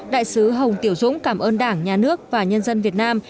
đại sứ hồng tiểu dũng cảm ơn đảng nhà nước và nhân dân việt nam